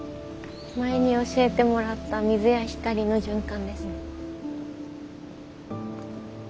前に教えてもらった水や光の循環ですね。